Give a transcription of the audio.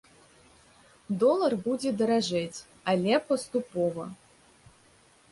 Долар будзе даражэць, але паступова.